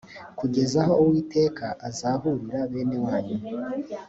kugeza aho uwiteka azaruhurira bene wanyu